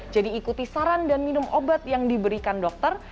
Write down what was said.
jadi ikuti saran dan minum obat yang diberikan dokter